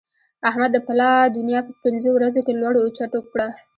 احمد د پلا دونيا په پنځو ورځو کې لړو او چټو کړه.